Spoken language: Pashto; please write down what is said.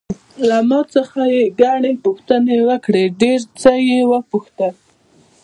له ما څخه یې ګڼې پوښتنې وکړې، ډېر څه یې وپوښتل.